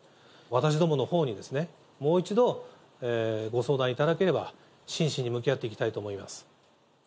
私どものほうに、もう一度、ご相談いただければ真摯に向き合っていきたいと思います。